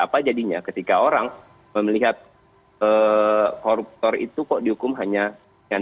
apa jadinya ketika orang melihat koruptor itu kok dihukum hanya sekian